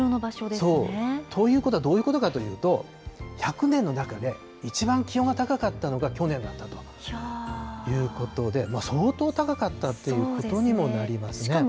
そう、ということはどういうことかというと、１００年の中でいちばん気温が高かったのが去年だったということで、相当高かったということにもなりますね。